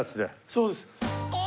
そうです。